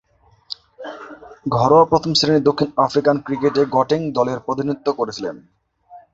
ঘরোয়া প্রথম-শ্রেণীর দক্ষিণ আফ্রিকান ক্রিকেটে গটেং দলের প্রতিনিধিত্ব করেছেন।